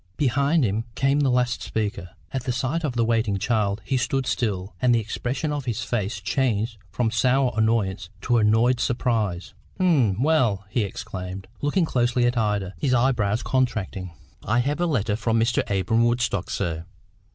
Behind him came the last speaker. At the sight of the waiting child he stood still, and the expression of his face changed from sour annoyance to annoyed surprise. "Eh? Well?" he exclaimed, looking closely at Ida, his eye brows contracting. "I have a letter for Mr. Abra'm Woodstock, sir."